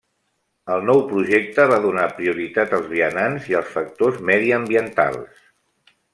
El nou projecte va donar prioritat als vianants i als factors mediambientals.